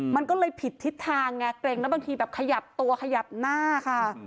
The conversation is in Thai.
มันก็เลยผิดทิศทางไงเกร็งแล้วบางทีแบบขยับตัวขยับหน้าค่ะ